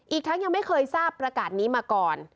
อีกทั้งยังไม่เคยทราบประกาศนี้มาก่อน